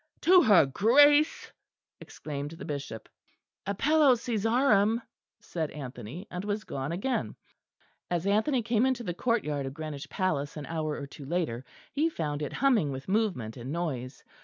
"To her Grace!" exclaimed the Bishop. "Appello Cæsarem," said Anthony, and was gone again. As Anthony came into the courtyard of Greenwich Palace an hour or two later he found it humming with movement and noise.